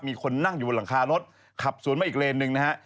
มีคนนั่งอยู่บนหลังคารถขับสวนมาอีกเลนหนึ่งนะฮะ